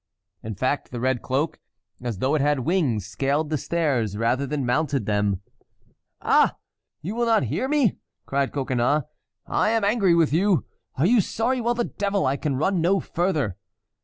In fact the red cloak, as though it had wings, scaled the stairs rather than mounted them. "Ah! you will not hear me!" cried Coconnas. "I am angry with you! Are you sorry? Well, the devil! I can run no further."